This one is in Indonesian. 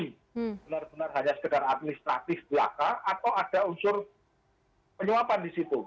benar benar hanya sekedar administratif belaka atau ada unsur penyuapan di situ